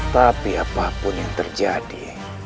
tapi apapun yang terjadi